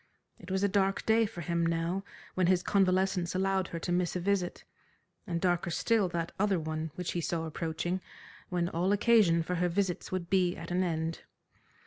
It was a dark day for him now when his convalescence allowed her to miss a visit, and darker still that other one which he saw approaching when all occasion for her visits would be at an end.